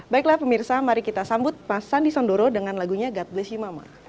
baiklah pemirsa mari kita sambut mas andi sandoro dengan lagunya god bless you mama